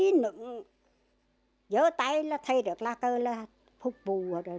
bằng viên là khí nụng giới tay là thay được là cơ là phục vụ